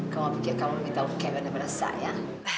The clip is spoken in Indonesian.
kau nggak pikir kamu lebih tahu keberanian pada saya